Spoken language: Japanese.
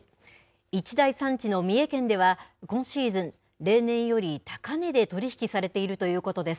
一大産地の三重県では、今シーズン、例年より高値で取り引きされているということです。